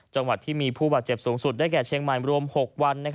จังหวัดที่มีผู้บาดเจ็บสูงสุดได้แก่เชียงใหม่รวม๖วัน